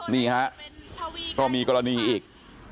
นี่ฮะก็มีกรณีอีก